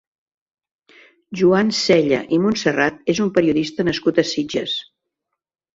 Joan Sella i Montserrat és un periodista nascut a Sitges.